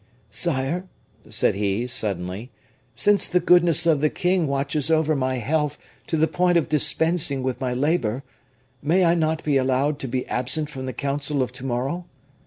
"Sire," said he, suddenly, "since the goodness of the king watches over my health to the point of dispensing with my labor, may I not be allowed to be absent from the council of to morrow?